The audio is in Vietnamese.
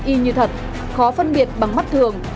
y như thật khó phân biệt bằng mắt thường